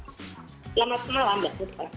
selamat malam mbak suta